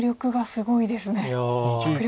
すごいです。